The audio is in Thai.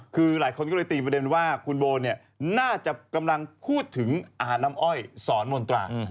คือหลายคนก็เลยตีประเด็นว่าคุณโบเนี่ยน่าจะกำลังพูดถึงอาหารน้ำอ้อยสอนมนตรา